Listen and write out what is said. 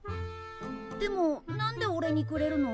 でも何でおれにくれるの？